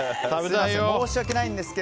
申し訳ないんですが。